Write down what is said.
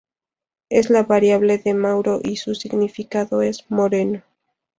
Es la variante de Mauro y su significado es "Moreno".